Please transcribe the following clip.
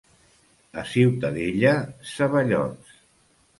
A Ciutadella, ceballots.